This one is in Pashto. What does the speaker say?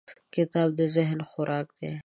کتاب د ذهن خوراک دی.